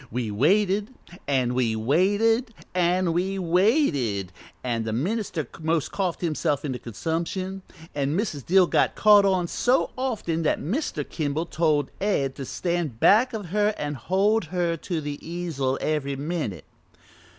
we waited, an' we waited, an' we waited, an' the minister most coughed himself into consumption, an' Mrs. Dill got caught on so often that Mr. Kimball told Ed to stand back of her an' hold her to the easel every minute.